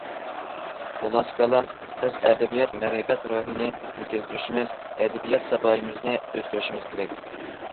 خۇلاسە كالام، بىز ئەدەبىيات، مەرىپەت روھىنى يېتىلدۈرۈشىمىز، ئەدەبىيات ساپايىمىزنى ئۆستۈرۈشىمىز كېرەك.